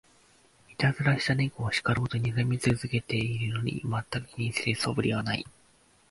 いたずらした猫を叱ろうとにらみ続けてるのに、まったく気にする素振りはない